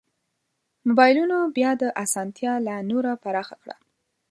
مبایلونو بیا دا اسانتیا لا نوره پراخه کړه.